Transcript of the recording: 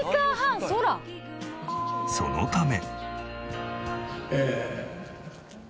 そのため。